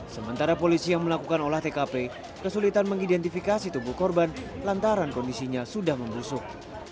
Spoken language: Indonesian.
sementara polisi yang melakukan olah tkp kesulitan mengidentifikasi tubuh korban lantaran kondisinya sudah membusuk